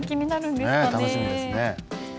ねえ楽しみですね。